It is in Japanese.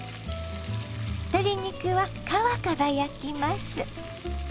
鶏肉は皮から焼きます。